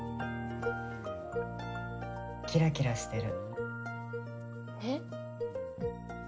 キラキラしてる。えっ？